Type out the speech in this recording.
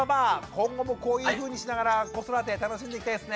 今後もこういうふうにしながら子育て楽しんでいきたいですね。